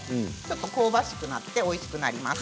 香ばしくなっておいしくなります。